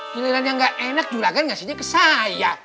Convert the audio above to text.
hilirannya gak enak juragan ngasihnya ke saya